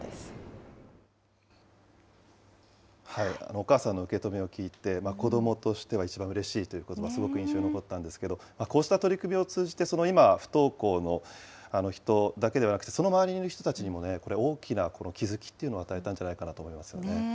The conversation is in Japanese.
お母さんの受け止めを聞いて、子どもとしては一番うれしいということば、すごく印象に残ったんですけれども、こうした取り組みを通じて、今、不登校の人だけではなくて、その周りの人たちにもね、大きな気付きというのを与えたんじゃないかなと思いますね。